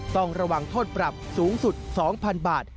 ต้องระวังโทษปรับสูงสุด๒๐๐๐บาท